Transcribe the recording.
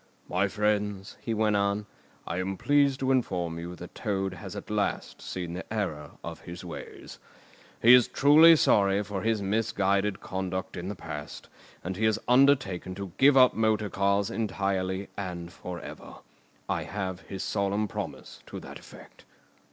"My friends," he went on, "I am pleased to inform you that Toad has at last seen the error of his ways. He is truly sorry for his misguided conduct in the past, and he has undertaken to give up motor cars entirely and for ever. I have his solemn promise to that effect."